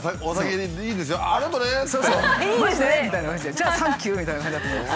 「じゃあサンキュー！」みたいな感じだと思うんです。